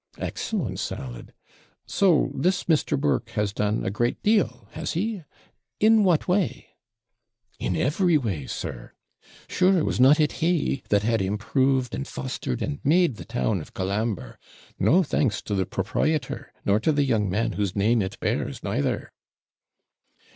'Excellent salad! So this Mr. Burke has done a great deal, has he? In what way!' 'In every way, sir sure was not it he that had improved, and fostered, and made the town of Colambre? no thanks to the proprietor, nor to the young man whose name it bears, neither!'